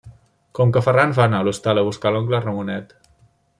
Com que Ferran va anar a l'hostal a buscar l'oncle Ramonet.